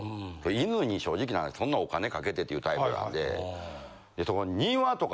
犬に正直な話そんなお金かけてっていうタイプなんで。